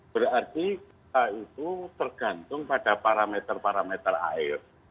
berarti kita itu tergantung pada parameter parameter air